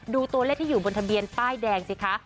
ดูตัวเลขที่อยู่บนทะเบียนป้ายแดงสิคะ